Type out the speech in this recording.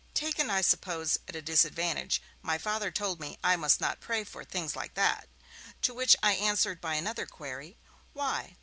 Taken, I suppose, at a disadvantage, my Father told me I must not pray for 'things like that'. To which I answered by another query, 'Why?'